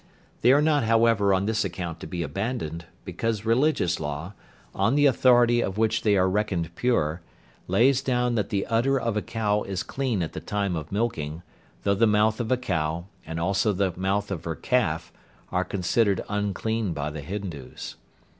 They are not however on this account to be abandoned, because religious law, on the authority of which they are reckoned pure, lays down that the udder of a cow is clean at the time of milking, though the mouth of a cow, and also the mouth of her calf, are considered unclean by the Hindoos.